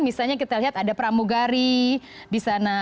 misalnya kita lihat ada pramugari di sana